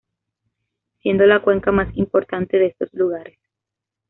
Siendo la cuenca más importante de estos lugares.